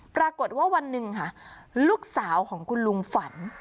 ปรากฏว่าวันหนึ่งลูกสาวของคุณลุงฝัน